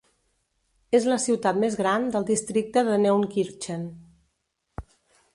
És la ciutat més gran del districte de Neunkirchen.